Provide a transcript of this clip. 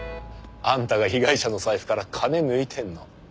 あんたが被害者の財布から金抜いてるの。